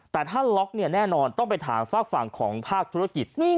แต่ถ้าล็อกเนี่ยแน่นอนต้องไปถามฝากฝั่งของภาคธุรกิจ